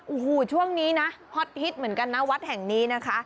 โอ้โหช่วงนี้นะฮอตฮิตเหมือนกันนะวัดแห่งนี้นะคะ